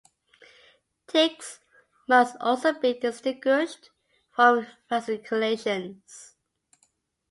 Tics must also be distinguished from fasciculations.